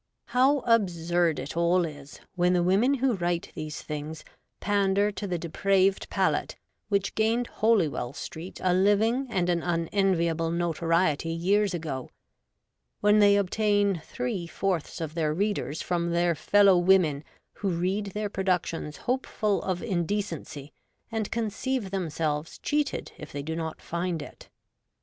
How absurd it all is, when the women who write these things pander to the depraved palate which gained Holywell Street a living and an unenviable notoriety years ago ; when they obtain threefomHhs of their readers from their fellow women who read their productions hopeful of indecency., and conceive them selves cheated if they do not find it.